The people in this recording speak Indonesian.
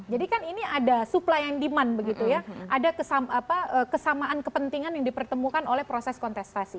jadi kan ini ada supply and demand begitu ya ada kesamaan kepentingan yang dipertemukan oleh proses kontestasi